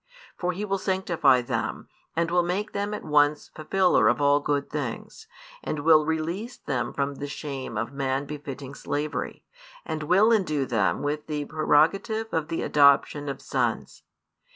For He will sanctify them, and will make them at once fulfillers of all good things, and will release them from the shame of man befitting slavery, and will endue them with the prerogative of the adoption of sons.